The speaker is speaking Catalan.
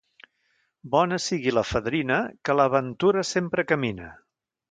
Bona sigui la fadrina, que la ventura sempre camina.